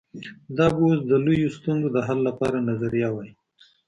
دا به اوس د لویو ستونزو د حل لپاره نظریه وای.